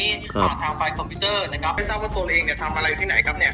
ครับอ่าทางไฟและคอมพิวเทอร์นะครับไม่ทราบว่าตัวเองน่ะ